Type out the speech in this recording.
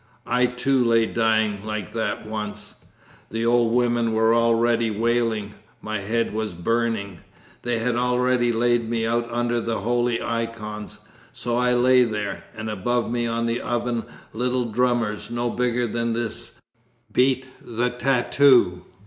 I too lay dying like that once. The old women were already wailing. My head was burning. They had already laid me out under the holy icons. So I lay there, and above me on the oven little drummers, no bigger than this, beat the tattoo.